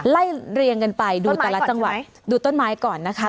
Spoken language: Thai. ไล่เรียงกันไปดูต้นไม้ก่อนนะคะ